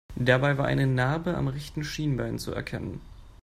Dabei war eine Narbe am rechten Schienbein zu erkennen.